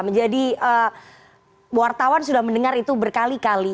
menjadi wartawan sudah mendengar itu berkali kali